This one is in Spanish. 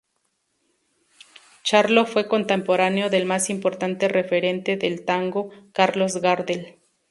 Charlo fue contemporáneo del más importante referente del tango: Carlos Gardel.